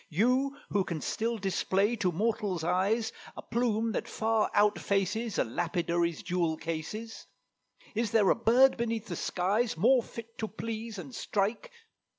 You, who can still display to mortal's eyes A plume that far outfaces A lapidary's jewel cases? Is there a bird beneath the skies More fit to please and strike?